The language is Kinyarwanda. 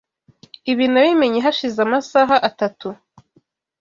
Ibi nabimenye hashize amasaha atatu.